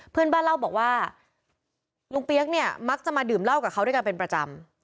เพื่อนบ้านเล่าบอกว่าลุงเปี๊ยกเนี่ยมักจะมาดื่มเหล้ากับเขาด้วยกันเป็นประจำ